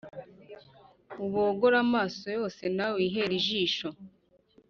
ubogore amaso yose nawe wihere ijisho